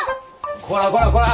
こらこらこら！